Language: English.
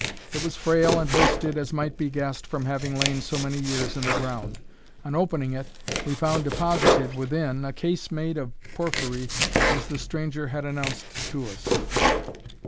It was frail and wasted, as might be guessed, from having lain so many years in the ground. On opening it, we found deposited within, a case made of porphyry, as the stranger had announced to us.